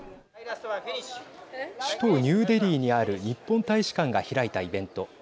首都ニューデリーにある日本大使館が開いたイベント。